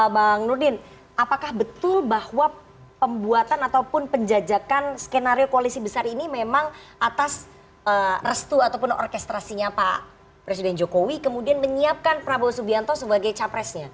bang nurdin apakah betul bahwa pembuatan ataupun penjajakan skenario koalisi besar ini memang atas restu ataupun orkestrasinya pak presiden jokowi kemudian menyiapkan prabowo subianto sebagai capresnya